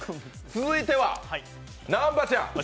続いては南波ちゃん。